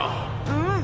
うん！